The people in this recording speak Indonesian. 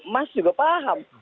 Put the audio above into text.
mas juga paham